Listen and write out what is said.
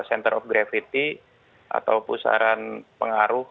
center of gravity atau pusaran pengaruh